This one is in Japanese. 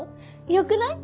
よくない？